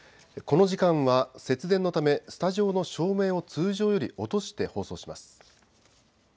この時間は節電のためスタジオの照明を通常より落として放送します。